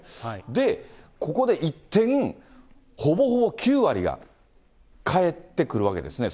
で、ここで一転、ほぼほぼ９割が返ってくるわけですね。